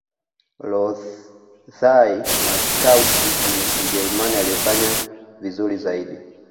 lotthae mattaus ni mjerumani aliyefanya vizuri zaidi